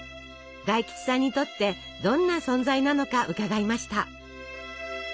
大吉さんにとってどんな存在なのか伺いました。